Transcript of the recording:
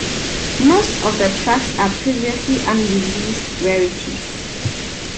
Most of the tracks are previously unreleased rarities.